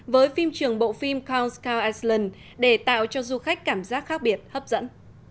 với phim trường bộ phim counts car iceland để tạo cho du khách cảm giác khác biệt hấp dẫn